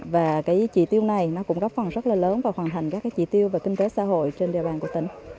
và cái trị tiêu này nó cũng góp phần rất là lớn và hoàn thành các trị tiêu và kinh tế xã hội trên địa bàn của tỉnh